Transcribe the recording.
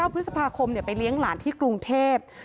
พฤษภาคมไปเลี้ยงหลานที่กรุงเทพ